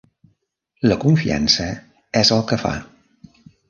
La confiança és el que fa.